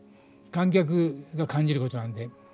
観客が感じることなんだよ。